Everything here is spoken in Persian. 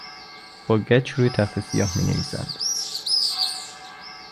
با گچ روی تختهی سیاه مینویسند.